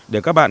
để các bạn